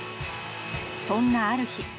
そんなある日。